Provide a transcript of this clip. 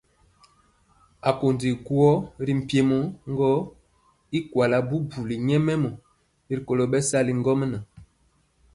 Akondi guo ri mpiemɔ gɔ y kuala bubuli nyɛmemɔ rikolo bɛsali ŋgomnaŋ.